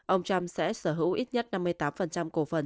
ông trump sẽ sở hữu ít nhất năm mươi tám cổ phần